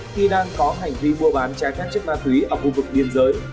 khi đang có hành vi mua bán trái phép chất ma túy ở khu vực biên giới